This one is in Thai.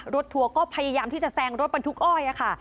ทัวร์ก็พยายามที่จะแซงรถบรรทุกอ้อยค่ะ